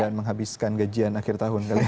dan menghabiskan gajian akhir tahun kali ya